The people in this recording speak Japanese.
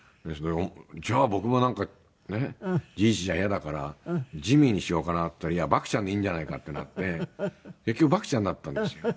じゃあ僕もなんか「じいじ」じゃイヤだから「ジミー」にしようかなって言ったら「獏ちゃん」でいいんじゃないかってなって結局「獏ちゃん」になったんですよ。